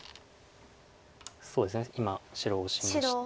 そうですね今白オシまして。